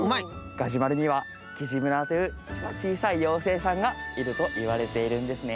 ガジュマルにはキジムナーというちいさい妖精さんがいるといわれているんですね。